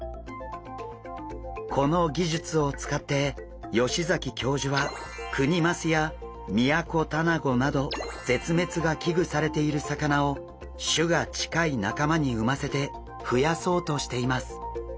この技術を使って吉崎教授はクニマスやミヤコタナゴなど絶滅が危惧されている魚を種が近い仲間に産ませてふやそうとしています。